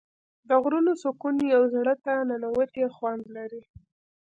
د غرونو سکون یو زړه ته ننووتی خوند لري.